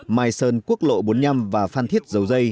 mai sơn quốc lộ bốn mươi năm và phan thiết